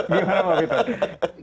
gimana pak peter